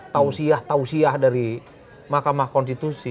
tausiah tausiah dari mahkamah konstitusi